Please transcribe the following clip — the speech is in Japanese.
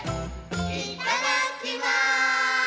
いただきます！